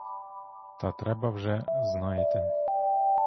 Та треба вже, знаєте.